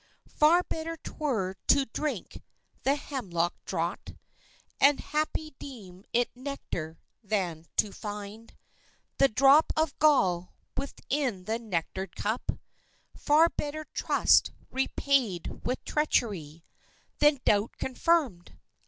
Far better 'twere to drink the hemlock draught And, happy, deem it nectar than to find The drop of gall within the nectared cup. Far better trust repaid with treachery Than doubt confirmed!